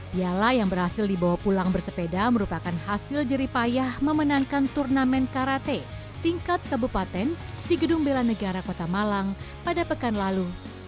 piala yang berhasil dibawa pulang bersepeda merupakan hasil jeripayah memenangkan turnamen karate tingkat kabupaten di gedung bela negara kota malang pada pekan lalu